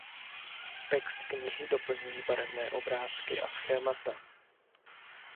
Text knihy doplňují barevné obrázky a schémata.